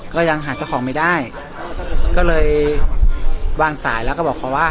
ก็ยังหาเจ้าของไม่ได้ก็เลยวางสายแล้วก็บอกเขาว่า